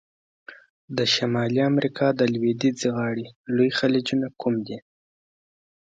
د شمالي امریکا د لویدیځه غاړي لوی خلیجونه کوم دي؟